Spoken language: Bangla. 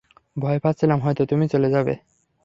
ভয় পাচ্ছিলাম হয়ত তুমি চলে যাবে।